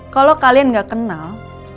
kalau kalian nggak kenal